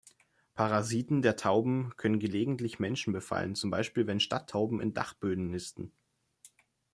Parasiten der Tauben können gelegentlich Menschen befallen, zum Beispiel wenn Stadttauben in Dachböden nisten.